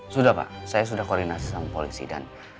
sudah pak saya sudah koordinasi sama polisi dan